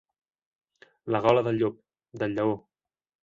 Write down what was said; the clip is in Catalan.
La gola del llop, del lleó.